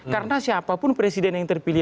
karena siapapun presiden yang terpilih